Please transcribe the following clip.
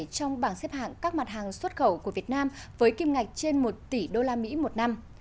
trong bảng xếp hạng các mặt hàng xuất khẩu của việt nam với kim ngạch trên một tỷ usd một năm